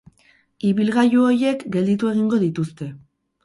Ibilgailu horiek gelditu egingo dituzte.